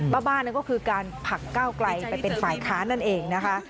บ้านก็คือการผลักก้าวไกลไปเป็นฝ่ายค้านนั่นเองนะคะ